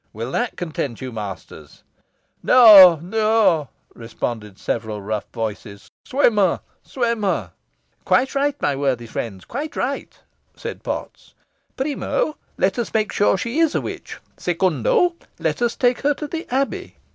Will that content you, masters?" "Neaw neaw," responded several rough voices; "swim her! swim her!" "Quite right, my worthy friends, quite right," said Potts. "Primo, let us make sure she is a witch secundo, let us take her to the Abbey."